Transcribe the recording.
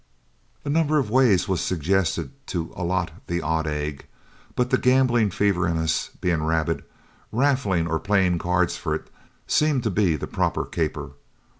A number of ways were suggested to allot the odd egg, but the gambling fever in us being rabid, raffling or playing cards for it seemed to be the proper caper.